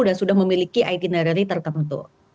dan sudah memiliki itinerary tertentu